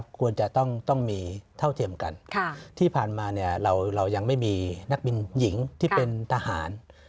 ควรจะต้องมีเท่าเทียมกันที่ผ่านมาเนี่ยเรายังไม่มีนักบินหญิงที่เป็นทหาร